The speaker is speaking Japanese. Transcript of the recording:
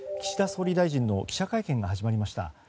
岸田総理大臣の記者会見が始まりました。